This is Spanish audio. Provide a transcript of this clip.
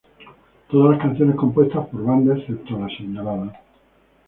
Todas las canciones compuestas por banda, excepto las señaladas.